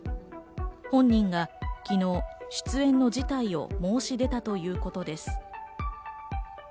本人が昨日、出演の辞退を申し出たということです。